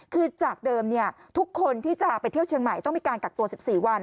คือจากเดิมทุกคนที่จะไปเที่ยวเชียงใหม่ต้องมีการกักตัว๑๔วัน